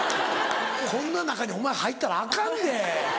こんな中にお前入ったらアカンで。